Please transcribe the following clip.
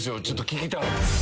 ちょっと聞きたい。